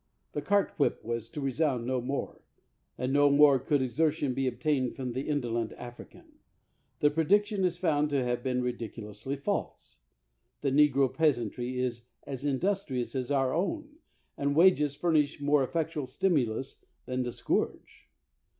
The cart whip was to resound no more, and no 142 BROUGHAM more could exertion be obtained from the indo lent African, The prediction is found to have been ridiculously false; the negro peasantry is as industrious as our own, and wages furnish more effectual stimulus than the scourge.